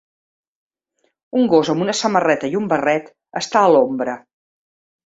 Un gos amb una samarreta i un barret està a l'ombra.